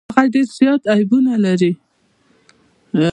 هغه ډیر زيات عيبونه لري.